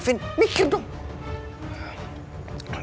penyulis dirty af omak